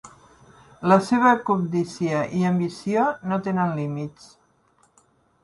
La seva cobdícia i ambició no tenen límits.